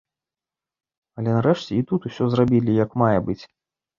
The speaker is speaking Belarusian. Але нарэшце і тут усё зрабілі як мае быць.